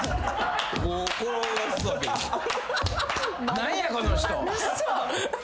何やこの人。